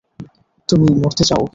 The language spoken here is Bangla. তুমি মরতে চাউ?